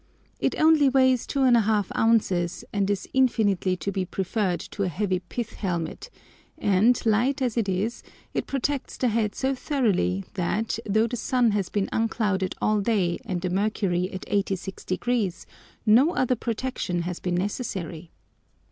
It only weighs 2½ ounces, and is infinitely to be preferred to a heavy pith helmet, and, light as it is, it protects the head so thoroughly, that, though the sun has been unclouded all day and the mercury at 86°, no other protection has been necessary.